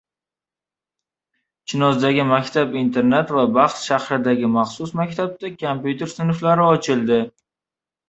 Chinozdagi maktab-internat va Baxt shahridagi maxsus maktabda kompyuter sinflari ochildi